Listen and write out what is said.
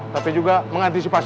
tapi juga mengantisipasi